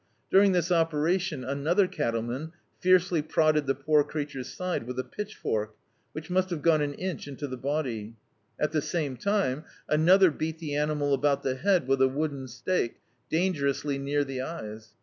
During this operation another cattleman fiercely prodded the poor creature's side with a pitdifork, which must have gone an inch into the body. At the same time another beat the (951 D,i.,.db, Google The Autobiography of a Super Tramp animal about the head with a wooden stake, dan* gerously near the eyes.